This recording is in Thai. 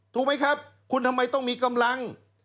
ถูกไหมครับคุณทำไมต้องมีกำลัง